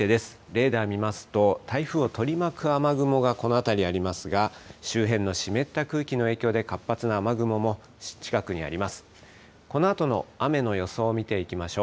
レーダー見ますと、台風を取り巻く雨雲がこの辺りにありますが、周辺の湿った空気の影響で活発な雨雲も近くにあります。